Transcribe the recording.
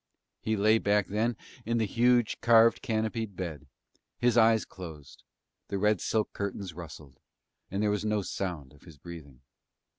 He lay back then in the huge, carved, canopied bed; his eyes closed, the red silk curtains rustled, and there was no sound of his breathing.